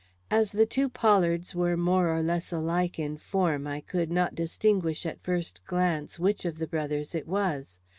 As the two Pollards were more or less alike in form, I could not distinguish at first glance which of the brothers it was.